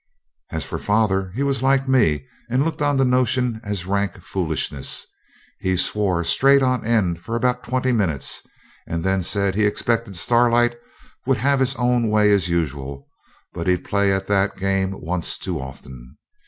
As for father, he was like me, and looked on the notion as rank foolishness. He swore straight on end for about twenty minutes, and then said he expected Starlight would have his own way as usual; but he'd play at that game once too often.